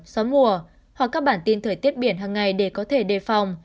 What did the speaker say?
xóa mùa hoặc các bản tin thời tiết biển hàng ngày để có thể đề phòng